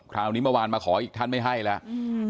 คราวนี้เมื่อวานมาขออีกท่านไม่ให้แล้วอืม